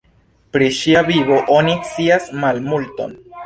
Pri ŝia vivo oni scias malmulton.